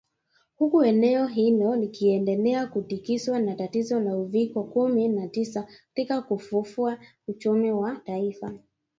huku eneo hilo likiendelea kutikiswa na tatizo la UVIKO kumi na tisa katika kufufua uchumi wa taifa